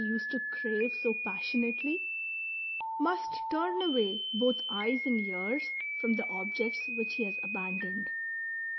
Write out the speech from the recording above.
used to crave so passionately, must turn away both eyes and ears from the objects which he has aban doned.